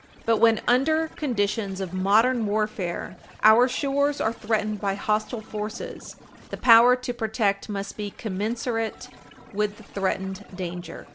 But when, under conditions of modern warfare, our shores are threatened by hostile forces, the power to protect must be commensurate with the threatened danger.